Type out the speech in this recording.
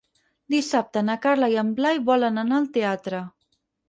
Dissabte na Carla i en Blai volen anar al teatre.